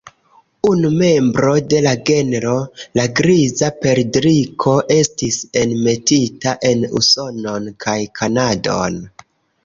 Unu membro de la genro, la Griza perdriko, estis enmetita en Usonon kaj Kanadon.